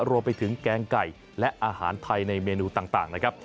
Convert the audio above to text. แกงไก่และอาหารไทยในเมนูต่างนะครับ